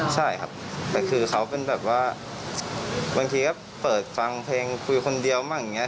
ใช่ครับแต่คือเขาเป็นแบบว่าบางทีก็เปิดฟังเพลงคุยคนเดียวมั่งอย่างนี้